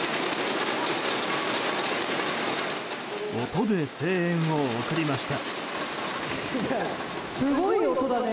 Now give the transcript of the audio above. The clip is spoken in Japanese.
音で声援を送りました。